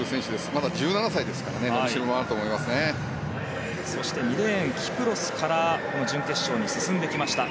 まだ１７歳ですので２レーンは、キプロスから準決勝に進んできました。